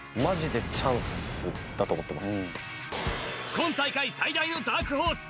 今大会最大のダークホース。